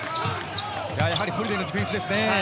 やはりホリデイのディフェンスですね。